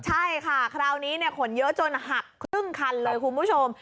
ใช่ค่ะคราวนี้ขนเยอะจนหักครึ่งคันเลยคุณผู้ชม